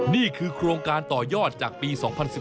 นี่คือโครงการต่อยอดจากปี๒๐๑๘